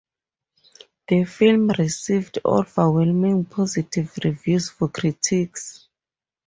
The film received overwhelmingly positive reviews from critics.